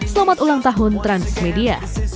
selamat ulang tahun transmedia